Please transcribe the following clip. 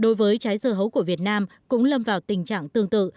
đối với trái dưa hấu của việt nam cũng lâm vào tình trạng tương tự